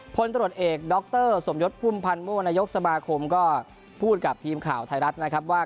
พลตรวจเอกดรสมยศพุ่มพันธ์ม่วงนายกสมาคมก็พูดกับทีมข่าวไทยรัฐนะครับว่า